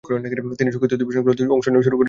তিনি সংগীত অধিবেশনগুলিতে অংশ নেওয়া শুরু করেছিলেন।